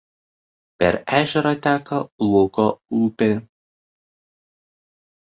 Per ežerą teka Luko upė.